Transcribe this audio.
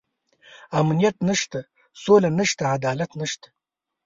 امنيت نشته، سوله نشته، عدالت نشته.